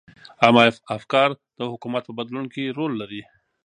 عامه افکار د حکومت په بدلون کې رول لري.